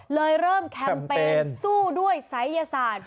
เลยเริ่มแคมเปญสู้ด้วยศัยยศาสตร์